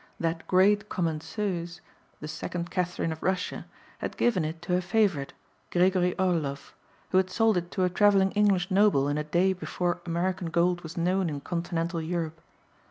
That great "commenceuse," the second Catherine of Russia, had given it to her favorite, Gregory Orlov, who had sold it to a traveling English noble in a day before American gold was known in Continental Europe.